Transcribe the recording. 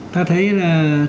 ta thấy là